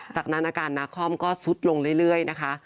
จากนั้นอาการนาคอมก็ซุดลงเรื่อยนะคะ